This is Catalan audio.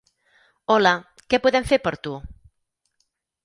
Hola, què podem fer per tu?